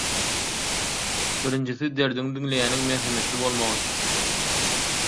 Birinjisi derdiňi diňleýäniň merhemetli bolmagy.